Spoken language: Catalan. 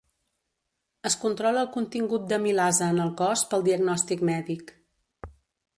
Es controla el contingut d'amilasa en el cos pel diagnòstic mèdic.